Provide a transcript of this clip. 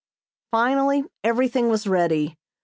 Finally everything was ready.